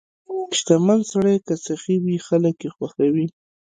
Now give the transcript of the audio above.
• شتمن سړی که سخي وي، خلک یې خوښوي.